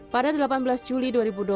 pada delapan belas juli dua ribu dua puluh